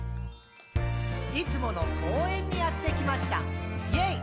「いつもの公園にやってきました！イェイ！」